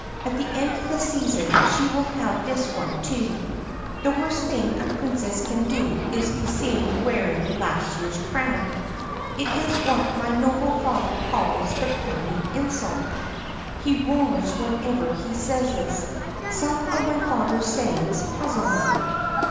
At the end of the season she will have this one too. The worst thing a Princess can do is to be seen wearing last year's crown. It is what my noble father calls 'the crowning insult.' He roars whenever he says this. Some of my father's sayings puzzle me."